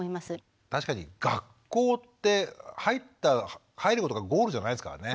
確かに学校って入ることがゴールじゃないですからね。